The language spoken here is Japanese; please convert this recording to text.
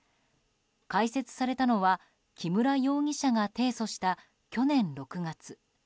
開設されたのは、木村容疑者が提訴した去年６月。